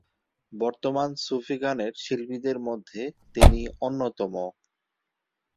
বর্তমান সুফি গানের শিল্পীদের মধ্যে তিনি অন্যতম।